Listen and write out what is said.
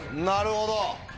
なるほど！